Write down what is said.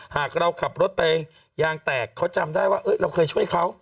หากเราขับรถไปยางแตกเขาจำได้ว่าเอ๊ะเราเคยช่วยเขา